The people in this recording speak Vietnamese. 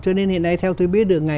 cho nên hiện nay theo tôi biết được